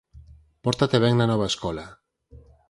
Pórtate ben na nova escola